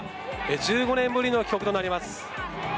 １５年ぶりの帰国となります。